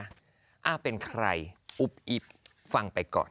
นะคะเป็นใครอุ๊บอีบฟังไปก่อนนะ